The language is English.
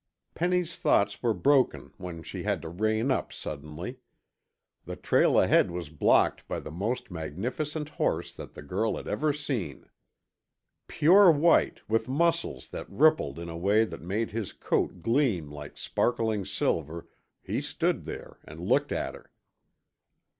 Penny's thoughts were broken when she had to rein up suddenly. The trail ahead was blocked by the most magnificent horse that the girl had ever seen. Pure white, with muscles that rippled in a way that made his coat gleam like sparkling silver, he stood there and looked at her.